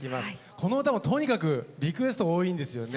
この歌もとにかくリクエストが多いんですよね。